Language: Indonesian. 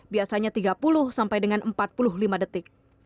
biasanya tiga puluh sampai dengan empat puluh lima detik